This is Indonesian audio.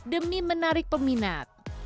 demi menarik peminat